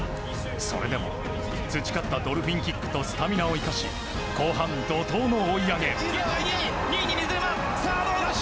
それでも、培ったドルフィンキックとスタミナを生かし後半怒涛の追い上げ。